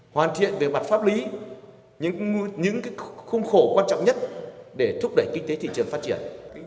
hoàn thiện về mặt pháp lý những khung khổ quan trọng nhất để thúc đẩy kinh tế thị trường phát triển